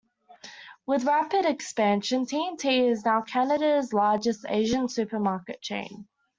With rapid expansion, T and T is now Canada's largest Asian supermarket chain.